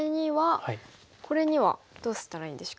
これにはどうしたらいいんでしょう？